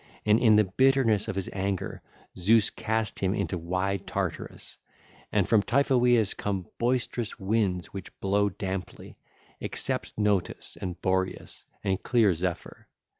And in the bitterness of his anger Zeus cast him into wide Tartarus. (ll. 869 880) And from Typhoeus come boisterous winds which blow damply, except Notus and Boreas and clear Zephyr.